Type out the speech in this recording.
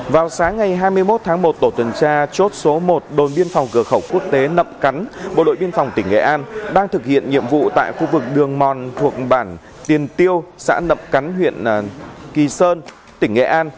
vào sáng ngày hai mươi một tháng một tổ tuần tra chốt số một đồn biên phòng cửa khẩu quốc tế nậm cắn bộ đội biên phòng tỉnh nghệ an đang thực hiện nhiệm vụ tại khu vực đường mòn thuộc bản tiền tiêu xã nậm cắn huyện kỳ sơn tỉnh nghệ an